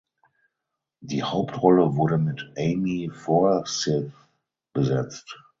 Die Hauptrolle wurde mit Amy Forsyth besetzt.